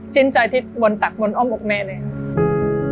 สิ้นใจที่บนตักบนอ้อมอกแม่เลยครับ